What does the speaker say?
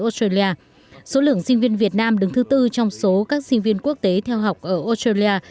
số lượng sinh viên việt nam đứng thứ tư trong số các sinh viên quốc tế theo học ở australia